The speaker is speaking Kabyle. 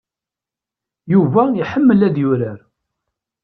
Yuba iḥemmel ad yurar.